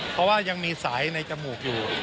เพราะว่ายังมีสายในจมูกอยู่